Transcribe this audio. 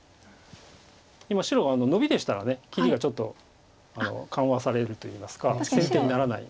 今白がノビでしたら切りがちょっと緩和されるといいますか先手にならない。